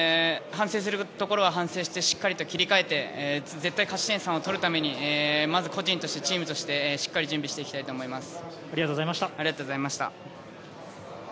反省するところは反省してしっかり切り替えて絶対勝ち点３を取るためにしっかり個人としてチームとして準備をしていきたいと思います。